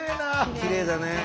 きれいだね。